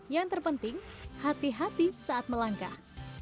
yang terpenting hati hati saat melangkah